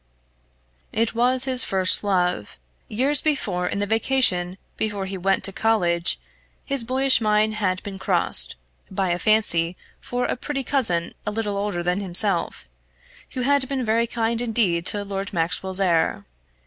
It was his first love. Years before, in the vacation before he went to college, his boyish mind had been crossed, by a fancy for a pretty cousin a little older than himself, who had been very kind indeed to Lord Maxwell's heir.